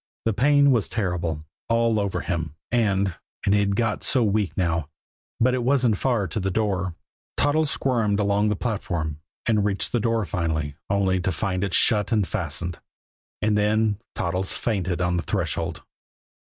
The pain was terrible all over him. And and he'd got so weak now but it wasn't far to the door. Toddles squirmed along the platform, and reached the door finally only to find it shut and fastened. And then Toddles fainted on the threshold.